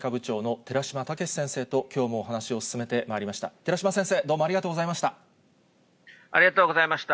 寺嶋先生、きょうもどうもあありがとうございました。